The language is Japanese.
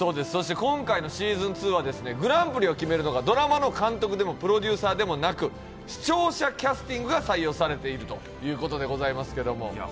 今回の「ｓｅａｓｏｎ２」はグランプリを決めるのがドラマの監督でもプロデューサーでもなく視聴者キャスティングが採用されているということでございますけれども。